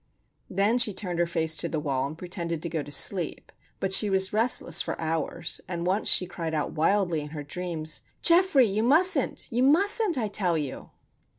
Then she turned her face to the wall and pretended to go to sleep; but she was restless for hours, and once she cried out wildly in her dreams: "Geoffrey! you mustn't! You mustn't, I tell you!"